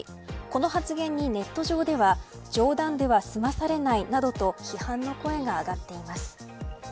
この発言にネット上では冗談では済まされないなどと批判の声が上がっています。